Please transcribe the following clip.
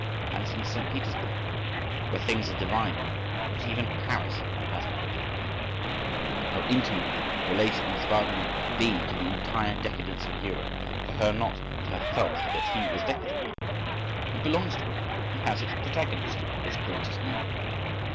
And in Saint Petersburg! Where things are divined, which even Paris has no idea of. How intimately related must Wagner be to the entire decadence of Europe for her not to have felt that he was decadent! He belongs to it, he is its protagonist, its greatest name.